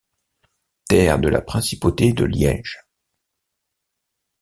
Terre de la Principauté de Liège.